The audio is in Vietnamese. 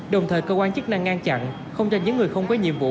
đồng thời cơ quan chức năng ngăn chặn không cho những người không có nhiệm vụ